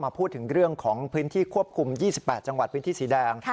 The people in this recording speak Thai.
พูดถึงเรื่องของพื้นที่ควบคุม๒๘จังหวัดพื้นที่สีแดง